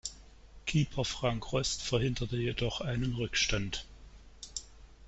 Keeper Frank Rost verhinderte jedoch einen Rückstand.